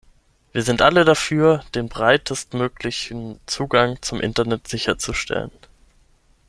Wir sind alle dafür, den breitestmöglichen Zugang zum Internet sicherzustellen.